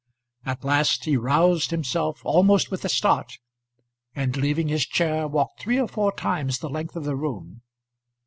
At last he roused himself, almost with a start, and leaving his chair, walked three or four times the length of the room.